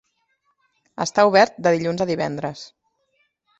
Està obert de dilluns a divendres.